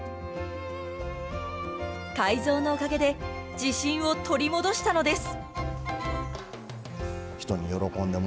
改造のおかげで自信を取り戻したのです。